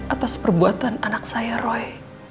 atas perbuatan anak saya roy